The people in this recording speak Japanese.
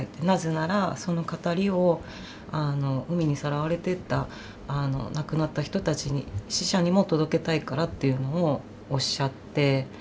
なぜならその語りを海にさらわれてった亡くなった人たちに死者にも届けたいからというのをおっしゃって。